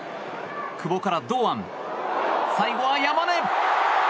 久保から堂安最後は山根！